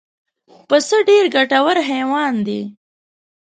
پسه ډېر ګټور حیوان دی.